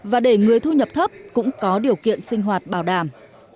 và để người thu nhập thấp cũng có điều kiện sinh hoạt bảo đảm